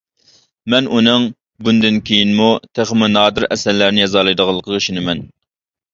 مەن ئۇنىڭ بۇندىن كېيىنمۇ تېخىمۇ نادىر ئەسەرلەرنى يازالايدىغانلىقىغا ئىشىنىمەن.